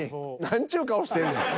何ちゅう顔してんねん。